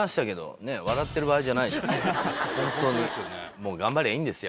もう頑張りゃいいんですよ